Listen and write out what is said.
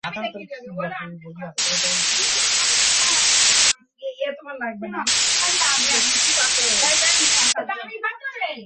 জিজ্ঞাসা করিলেন, কাল রাত্রে বুঝি এই ঘরেই শোওয়া হইয়াছিল?